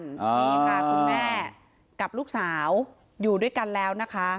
นี่ค่ะคุณแม่กับลูกสาวอยู่ด้วยกันแล้วนะคะ